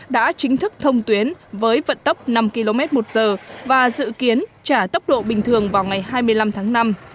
đã chính thức thông tuyến với vận tốc năm km một giờ và dự kiến trả tốc độ bình thường vào ngày hai mươi năm tháng năm